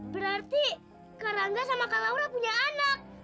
berarti kak rangga sama kak laura punya anak